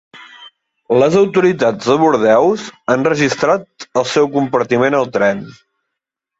Les autoritats de Bordeus han registrat el seu compartiment al tren.